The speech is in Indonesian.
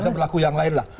misalnya yang lain lah